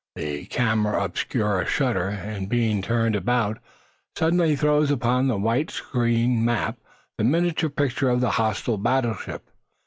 The camera obscura shutter, in being turned about, suddenly throws upon the white screen map the miniature picture of the hostile battleship.